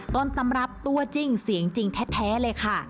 ต้นตำรับตัวจริงเสียงจริงแท้เลยค่ะ